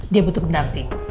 dia butuh mendamping